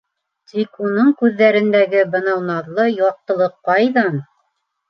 Тик уның күҙҙәрендәге бынау наҙлы яҡтылыҡ ҡайҙан?